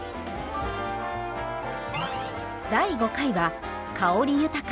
第５回は香り豊か！